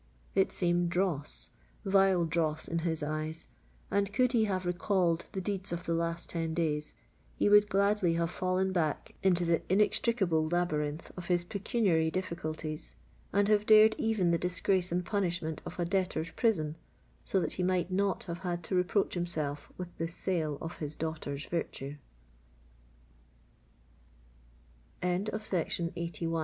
It seemed dross—vile dross in his eyes; and could he have recalled the deeds of the last ten days, he would gladly have fallen back into the inextricable labyrinth of his pecuniary difficulties, and have dared even the disgrace and punishment of a debtors' prison, so that he might not have had to reproach himself with the sale of his daughter's virtue! CHAPTER LXXVIII. RETRIBUT